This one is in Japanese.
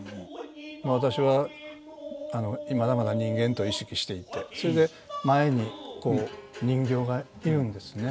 私はまだまだ人間と意識していてそれで前にこう人形がいるんですね。